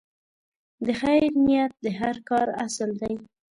د خیر نیت د هر کار اصل دی.